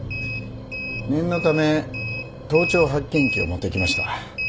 念のため盗聴発見器を持ってきました。